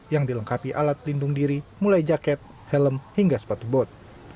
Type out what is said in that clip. yang dilengkapi alat pelindung diri mulai jaket helm hingga sepatu bot